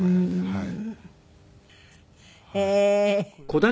はい。